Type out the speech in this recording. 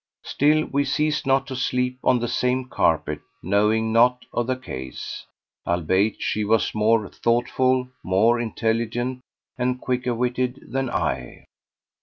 Still we ceased not to sleep on the same carpet knowing naught of the case, albeit she was more thoughtful, more intelligent and quicker witted than I.